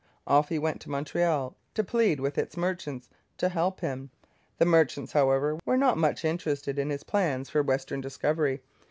Off he went to Montreal, to plead with its merchants to help him. The merchants, however, were not much interested in his plans for western discovery.